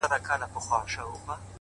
• چي مي هر څه غلا کول دې نازولم,